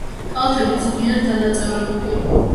კალთები ძლიერ დანაწევრებულია.